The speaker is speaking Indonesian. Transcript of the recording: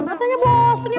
katanya bosan ya